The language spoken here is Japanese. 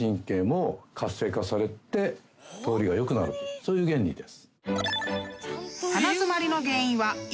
そういう原理です。